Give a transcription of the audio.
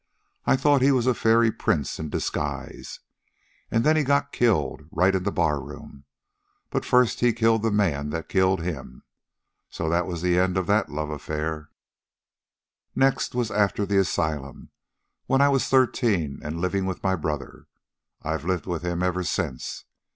I thought he was a fairy prince in disguise. And then he got killed, right in the bar room, but first he killed the man that killed him. So that was the end of that love affair. "Next was after the asylum, when I was thirteen and living with my brother I've lived with him ever since.